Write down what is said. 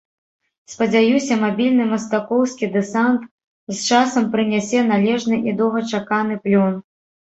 Спадзяюся, мабільны мастакоўскі дэсант з часам прынясе належны і доўгачаканы плён.